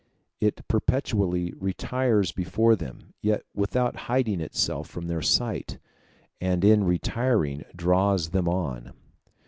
It perpetually retires from before them, yet without hiding itself from their sight, and in retiring draws them on.